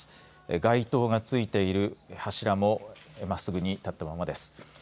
街灯がついている柱もまっすぐに立ったままです。